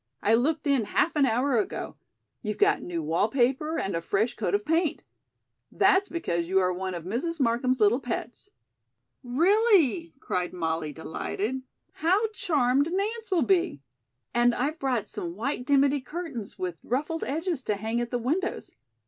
I looked in half an hour ago. You've got new wall paper and a fresh coat of paint. That's because you are one of Mrs. Markham's little pets." "Really," cried Molly, delighted. "How charmed Nance will be. And I've brought some white dimity curtains with ruffled edges to hang at the windows.